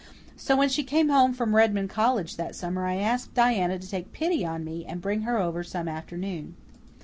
So when she came home from Redmond College that summer I asked Diana to take pity on me and bring her over some afternoon.